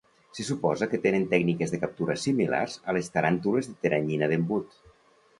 Se suposa que tenen tècniques de captura similars a les taràntules de teranyina d'embut.